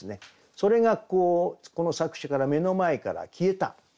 それがこの作者から目の前から消えた。